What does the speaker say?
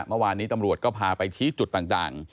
เมื่อวานนี้ตำรวจก็พาไปชี้จุดต่าง